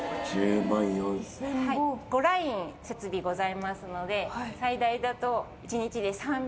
設備ございますので最大だと。